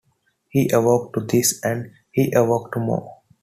He awoke to this, and he awoke to more.